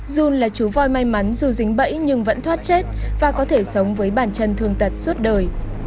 jun là chú voi may mắn dù dính bẫy nhưng vẫn thoát chết và có thể sống với bàn chân thương tật suốt đời